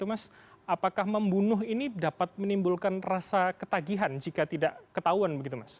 apakah membunuh ini dapat menimbulkan rasa ketagihan jika tidak ketahuan